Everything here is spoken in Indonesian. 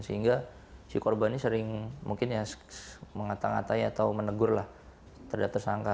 sehingga si korban ini sering mengatai atau menegur terhadap tersangka